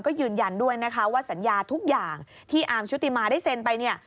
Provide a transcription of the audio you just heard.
ก็ยืนยันด้วยว่าสัญญาทุกอย่างที่อามชุติมาได้เซนไป